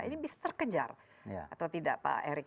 ini bisa terkejar atau tidak pak erick